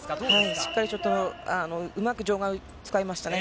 しっかりとうまく場外を使いましたね。